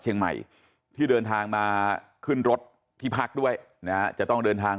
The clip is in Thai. เชียงใหม่ที่เดินทางมาขึ้นรถที่พักด้วยนะจะต้องเดินทาง